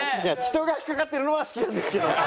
人が引っ掛かってるのは好きなんですけど。